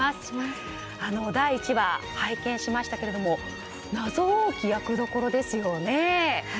第１話、拝見しましたけども謎多き役どころですよね。